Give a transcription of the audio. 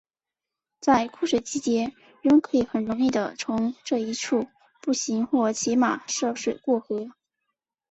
在枯水季节人们可以很容易的从这一处步行或骑马涉水过河。